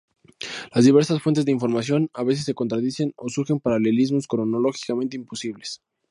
Las diversas fuentes de información, a veces se contradicen o surgen paralelismos cronológicamente imposibles.